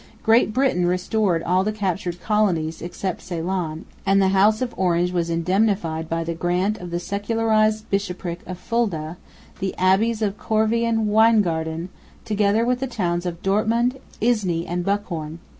Great Britain restored all the captured colonies, except Ceylon; and the house of Orange was indemnified by the grant of the secularised Bishopric of Fulda, the abbeys of Korvey and Weingarten, together with the towns of Dortmund, Isny and Buchhorn.